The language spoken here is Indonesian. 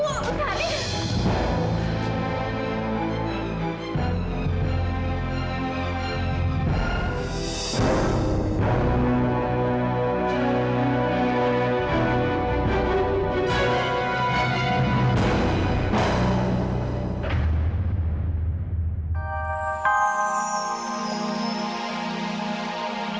amira ibu sakit